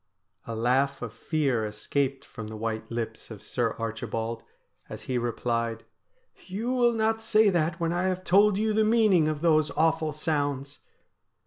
A laugh of fear escaped from the white lips of Sir Archibald as he replied :' You will not say that when I have told you the meaning of those awful sounds.'